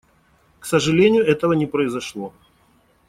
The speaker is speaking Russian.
К сожалению, этого не произошло.